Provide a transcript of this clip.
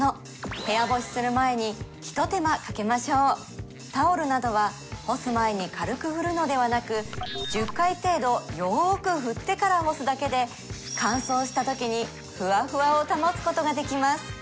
部屋干しする前にひと手間かけましょうタオルなどは干す前に軽く振るのではなく１０回程度よーく振ってから干すだけで乾燥したときにふわふわを保つことができます